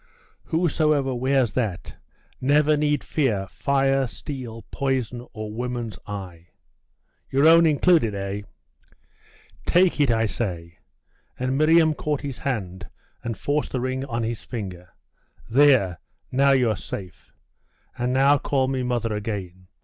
Whosoever wears that never need fear fire, steel, poison, or woman's eye.' 'Your own included, eh?' 'Take it, I say!' and Miriam caught his hand, and forced the ring on his finger. 'There! Now you're safe. And now call me mother again.